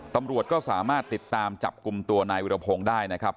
ตำรวจก็สามารถติดตามจับกลุ่มตัวนายวิรพงศ์ได้นะครับ